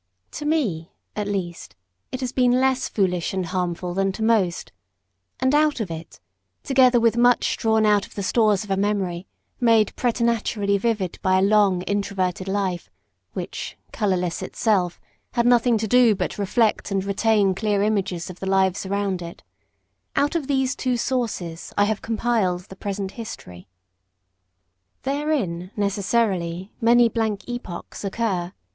To me, at least, it has been less foolish and harmful than to most; and out of it, together with much drawn out of the stores of a memory, made preternaturally vivid by a long introverted life, which, colourless itself, had nothing to do but to reflect and retain clear images of the lives around it out of these two sources I have compiled the present history. Therein, necessarily, many blank epochs occur.